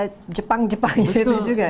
kayak jepang jepang gitu juga ya